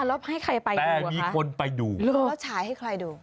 แล้วให้ใครไปดูค่ะลูกแต่มีคนไปดูแล้วฉายให้ใครดู